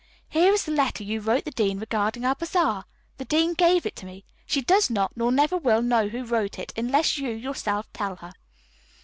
"Here is the letter you wrote the dean regarding our bazaar. The dean gave it to me. She does not nor never will know who wrote it, unless you, yourself, tell her.